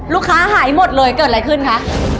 ลูกค้าหายหมดเลยเกิดอะไรขึ้นคะ